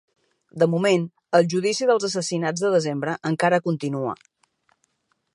De moment, el judici dels assassinats de Desembre encara continua.